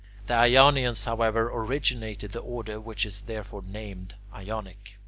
The Ionians, however, originated the order which is therefore named Ionic.